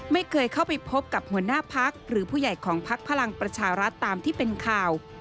ไม่เคยเข้าไปพบกับหัวหน้าพักหรือผู้ใหญ่ของพักพลังประชารัฐตามที่เป็นข่าว